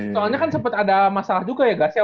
soalnya kan sempet ada masalah juga ya gak sih